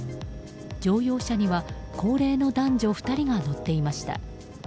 乗用車には高齢の男女２人が乗っていました。